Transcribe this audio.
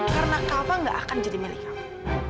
karena kava gak akan jadi milik kamu